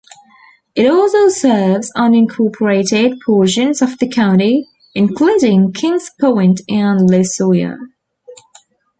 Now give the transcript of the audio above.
It also serves unincorporated portions of the county, including Kings Point and Losoya.